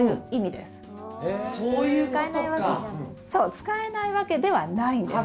使えないわけではないんです。